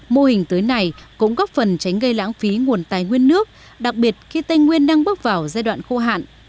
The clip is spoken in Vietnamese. mô hình tưới này cũng góp phần tránh gây lãng phí nguồn tài nguyên nước đặc biệt khi tây nguyên đang bước vào giai đoạn khô hạn